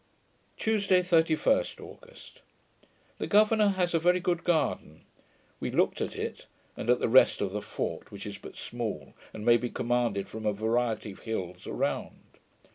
Tuesday, 31st August The governour has a very good garden. We looked at it, and at the rest of the fort, which is but small, and may be commanded from a variety of hills around.